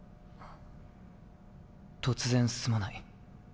突然すまない。